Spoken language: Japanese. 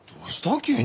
急に。